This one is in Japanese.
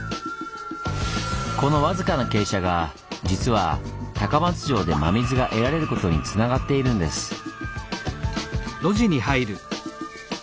この僅かな傾斜が実は高松城で真水が得られることにつながっているんです。